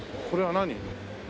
これは何？